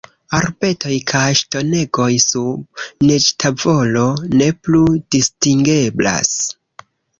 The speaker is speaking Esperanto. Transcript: Arbetoj kaj ŝtonegoj, sub neĝtavolo, ne plu distingeblas.